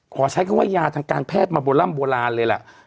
ใช้คำว่ายาทางการแพทย์มาโบร่ำโบราณเลยล่ะ